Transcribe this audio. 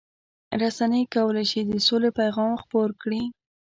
رسنۍ کولای شي د سولې پیغام خپور کړي.